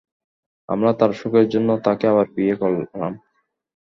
আমরা তার সুখের জন্য তাকে আবার বিয়ে করালাম।